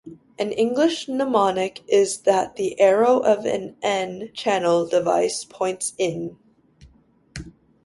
An English mnemonic is that the arrow of an N-channel device "points in".